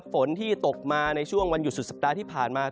ฝนที่ตกมาในช่วงวันหยุดสุดสัปดาห์ที่ผ่านมา